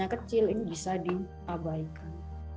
yang kecil ini bisa diabaikan